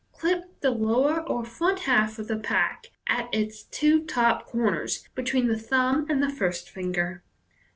Clip the lower or front half of the pack at its two top corners between the thumb and the first finger.